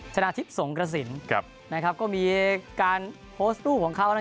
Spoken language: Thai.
ชนะทิพย์สงกระสินก็มีการโพสต์รูปของเขา